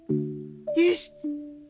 よし！